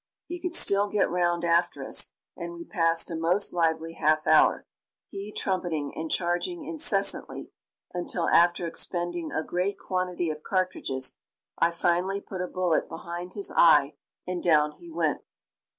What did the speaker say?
He could still get round after us, and we passed a most lively half hour, he trumpeting and charging incessantly, until, after expending a great quantity of cartridges, I finally put a bullet behind his eye, and down he went.